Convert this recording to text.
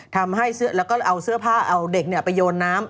ทำให้แล้วก็เอาเสื้อผ้าเอาเด็กไปโยนน้ำ